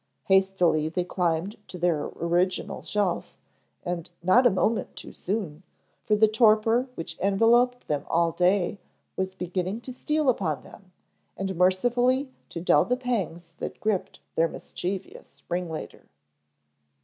Hastily they climbed to their original shelf, and not a moment too soon, for the torpor which enveloped them all day was beginning to steal upon them, and mercifully to dull the pangs that gripped their mischievous ringleader.